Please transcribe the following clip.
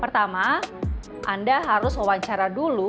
pertama anda harus wawancara dulu